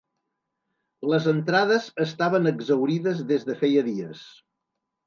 Les entrades estaven exhaurides des de feia dies.